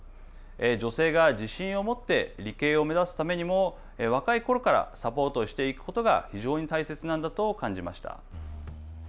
女性が自信を持って理系を目指すためにも若いころからサポートしていくことが非常に大切なんだと感じました。